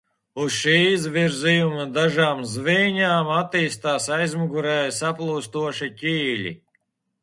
Uz šī izvirzījuma dažām zvīņām attīstās aizmugurē saplūstoši ķīļi.